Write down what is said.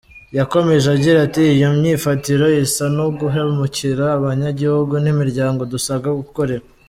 Yakomeje agira ati "Iyo myifatire isa n’uguhemukira abanyagihugu n’imiryango dusabwa gukorera.